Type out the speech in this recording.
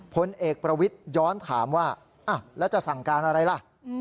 พลเอกประวิทย้อนถามว่าแล้วจะสั่งการอะไรล่ะ